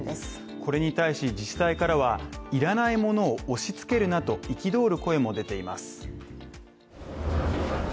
これに対し自治体からは、いらないものを押し付けるなと憤る声も出ています。